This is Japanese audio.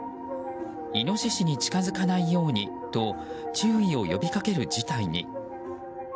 イノシシに近づかないようにと注意を呼びかける事態に。